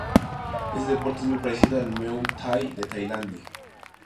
Este deporte es muy parecido al Muay Thai de Tailandia.